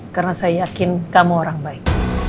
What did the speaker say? karena saya yakin kamu orang baik